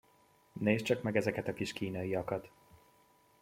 Nézd csak meg ezeket a kis kínaiakat!